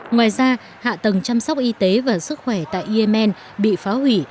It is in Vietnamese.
ngoài ra hạ tầng chăm sóc y tế và sức khỏe tại yemen bị phá hủy